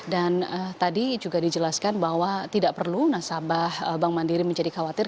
dan tadi juga dijelaskan bahwa tidak perlu nasabah bank mandiri menjadi khawatir